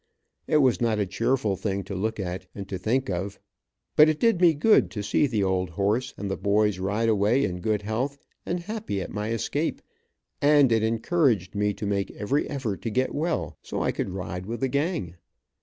It was not a cheerful thing to look at, and to think of, but it did me good to see the old horse, and the boys ride away in good health, and happy at my escape, and it encouraged me to make every effort to get well, so I could ride with the gang.